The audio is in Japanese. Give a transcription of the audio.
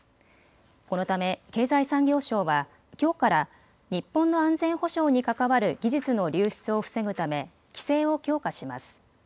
このため経済産業省はきょうから日本の安全保障に関わる技術の流出を防ぐため規制を強化します。